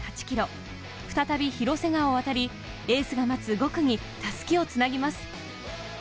再び広瀬川を渡り、エースが待つ５区に襷をつなぎます。